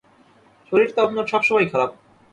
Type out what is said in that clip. শরীর তো আপনার সবসময়ই খারাপ।